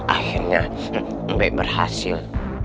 akhirnya mbak berhasil